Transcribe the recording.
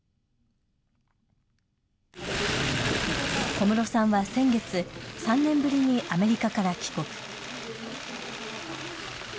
小室さんは先月、３年ぶりにアメリカから帰国。